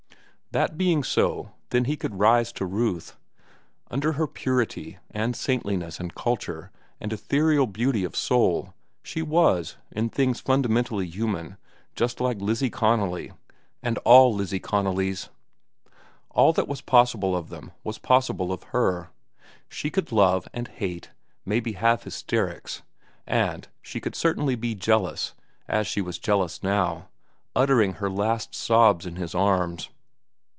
That being so, then he could rise to Ruth. Under her purity, and saintliness, and culture, and ethereal beauty of soul, she was, in things fundamentally human, just like Lizzie Connolly and all Lizzie Connollys. All that was possible of them was possible of her. She could love, and hate, maybe have hysterics; and she could certainly be jealous, as she was jealous now, uttering her last sobs in his arms.